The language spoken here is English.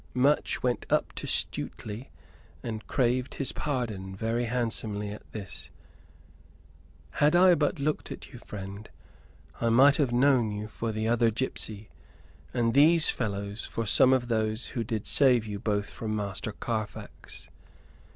Much went up to Stuteley, and craved his pardon very handsomely at this. "Had I but looked at you, friend, I might have known you for the other gipsy, and these fellows for some of those who did save you both from Master Carfax.